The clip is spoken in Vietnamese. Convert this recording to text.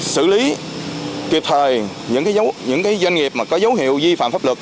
xử lý kịp thời những doanh nghiệp có dấu hiệu vi phạm pháp luật